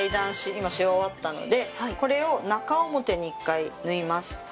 今し終わったのでこれを中表に１回縫います。